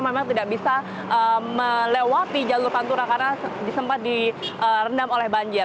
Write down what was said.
jadi tidak bisa melewati jalur pantura karena sempat direndam oleh banjir